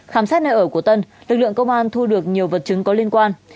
khám xét nơi ở của tân lực lượng công an thu được nhiều vật chứng có liên quan